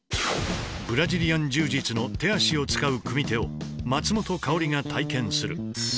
ブラジリアン柔術の手足を使う組み手を松本薫が体験する。